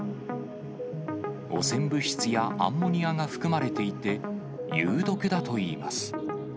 汚染物質やアンモニアが含まれていて、有毒だといいます。